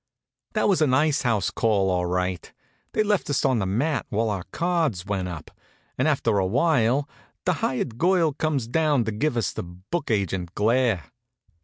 That was an ice house call, all right. They left us on the mat while our cards went up, and after a while the hired girl comes down to give us the book agent glare.